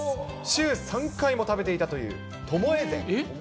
週３回も食べていたという、ともえ膳。